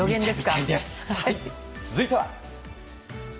続いては。